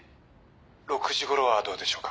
６時頃はどうでしょうか？